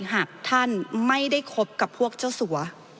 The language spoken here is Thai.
หากท่านไม่ได้คบกับพวกเจ้าสัว